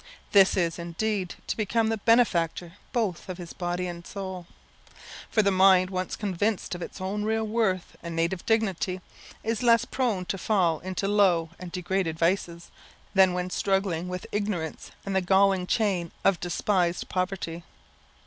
This is, indeed, to become the benefactor both of his soul and body; for the mind, once convinced of its own real worth and native dignity, is less prone to fall into low and degrading vices, than when struggling with ignorance and the galling chain of despised poverty.